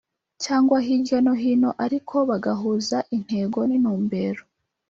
cyangwa hirya no hino ariko bagahuza intego n’intumbero